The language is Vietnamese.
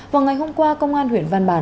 vào ngày hôm qua công an huyện văn bàn